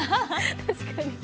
確かに。